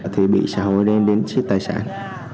thì bị xả hối lên đến xích tài sản